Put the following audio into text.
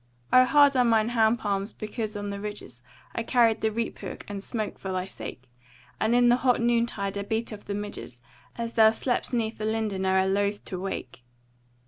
O hard are mine hand palms because on the ridges I carried the reap hook and smote for thy sake; And in the hot noon tide I beat off the midges As thou slep'st 'neath the linden o'er loathe to awake.